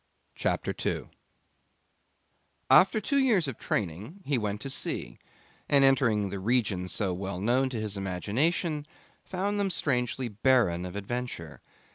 CHAPTER 2 After two years of training he went to sea, and entering the regions so well known to his imagination, found them strangely barren of adventure.